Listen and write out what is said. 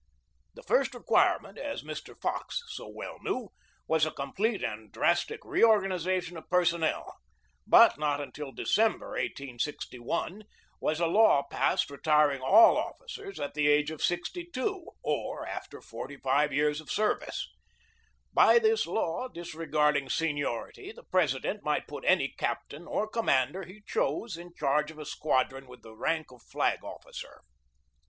The first requirement, as Mr. Fox so well knew, was a complete and drastic reorganization of personnel, but not until December, 1861, was a law passed re BEGINNING OF THE CIVIL WAR 43 tiring all officers at the age of sixty two, or after forty five years of service. By this law, disregard ing seniority, the President might put any captain or commander he chose in charge of a squadron with the rank of flag officer.